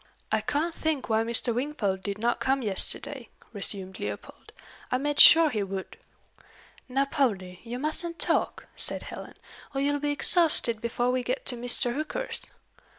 "I can't think why Mr. Wingfold did not come yesterday," resumed Leopold. "I made sure he would." "Now, Poldie, you mustn't talk," said Helen, "or you'll be exhausted before we get to Mr. Hooker's."